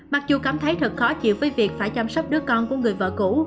mặc dù cảm thấy thật khó chịu với việc phải chăm sóc đứa con của người vợ cũ